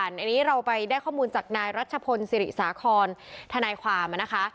อันนี้เราไปได้ข้อมูลจากนายรัชพลศิริสาครทนายความนะคะ